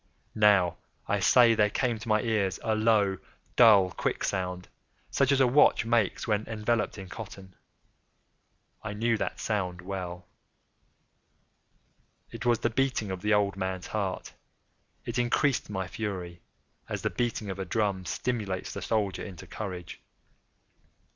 —now, I say, there came to my ears a low, dull, quick sound, such as a watch makes when enveloped in cotton. I knew that sound well, too. It was the beating of the old man's heart. It increased my fury, as the beating of a drum stimulates the soldier into courage.